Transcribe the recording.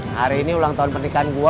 hari ini ulang tahun pernikahan gue